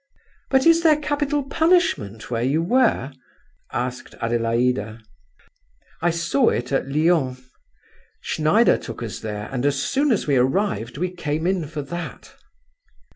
"But is there capital punishment where you were?" asked Adelaida. "I saw it at Lyons. Schneider took us there, and as soon as we arrived we came in for that."